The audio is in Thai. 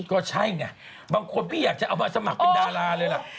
ก็ใช่ไงบางคนพี่อยากจะเอามาสมัครเป็นดาราเลยล่ะ